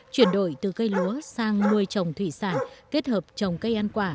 chuyển đổi từ cây lúa sang nuôi trồng thủy sản kết hợp trồng cây ăn quả